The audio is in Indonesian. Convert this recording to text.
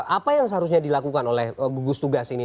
apa yang seharusnya dilakukan oleh gugus tugas ini